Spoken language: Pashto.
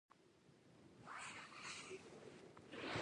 ګوره.